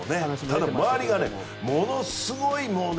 ただ、周りがものすごい。